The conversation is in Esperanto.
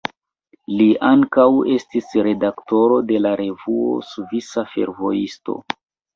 Li ankaŭ estis redaktoro de la revuo Svisa Fervojisto.